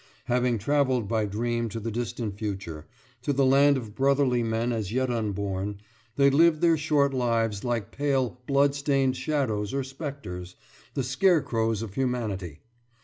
Having travelled by dream to the distant future, to the land of brotherly men as yet unborn, they lived their short lives like pale blood stained shadows or spectres, the scarecrows of humanity.